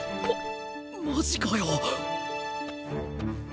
ママジかよ